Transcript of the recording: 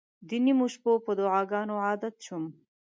د نیمو شپو په دعاګانو عادت شوم.